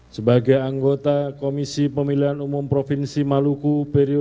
sebagai anggota komisi pemilihan umum provinsi maluku periode dua ribu dua puluh empat dua ribu dua puluh sembilan